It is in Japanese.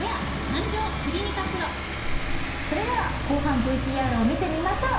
それでは後半ＶＴＲを見てみましょう。